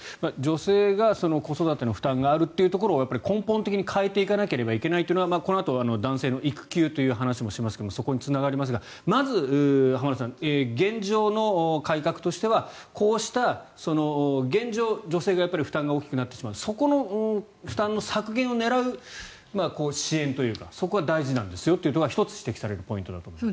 女性が子育ての負担があるということを根本的に変えていかなければいけないというのがこのあと男性の育休という話もしますがそこにつながりますがまず浜田さん現状の改革とては現状、女性の負担が大きくなってしまうそこの負担の削減を狙う支援というかそこが大事だと１つ指摘されるポイントだと思います。